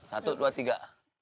satu dua tiga